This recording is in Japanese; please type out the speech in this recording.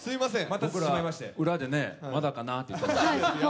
僕ら、裏で、まだかなって言ってましたよね。